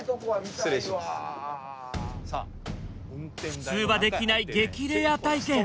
普通はできない激レア体験！